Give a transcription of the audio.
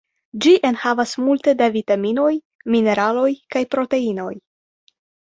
Ĝi enhavas multe da vitaminoj, mineraloj kaj proteinoj.